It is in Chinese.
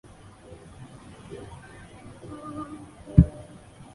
香港中药师协会由全体会员选举出执行委员会各成员。